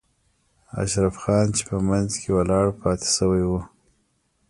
اشرف خان چې په منځ کې ولاړ پاتې شوی و.